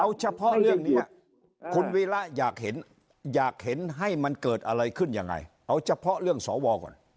เอาเฉพาะเรื่องนี้คุณวีระอยากเห็นอยากเห็นให้มันเกิดอะไรขึ้นยังไงเอาเฉพาะเรื่องสวก่อน